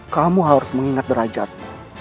kamu harus mengingat derajatmu